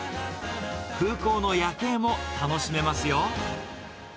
空港の夜景も楽しめますよ。